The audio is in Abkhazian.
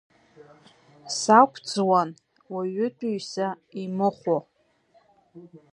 Сақәӡуан уаҩытәыҩса имыхәо…